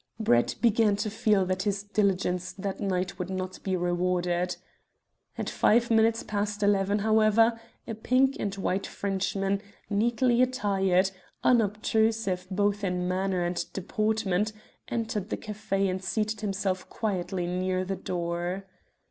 Brett began to feel that his diligence that night would not be rewarded. At five minutes past eleven, however, a pink and white Frenchman, neatly attired, unobtrusive both in manner and deportment, entered the café and seated himself quietly near the door.